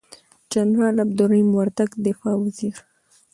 جنرال عبدالرحیم وردگ دفاع وزیر،